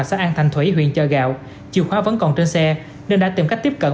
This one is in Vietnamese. xã an thành thủy huyện chợ gạo chiều khóa vẫn còn trên xe nên đã tìm cách tiếp cận